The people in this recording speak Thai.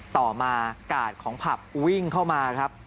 ต่อมากาดของผับวิ่งเข้ามาครับ